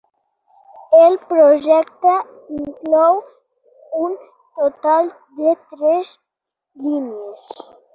El projecte inclou un total de tres línies.